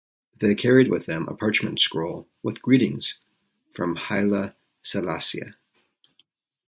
They carried with them a parchment scroll with greetings from Haile Selassie.